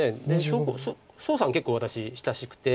宋さん結構私親しくて。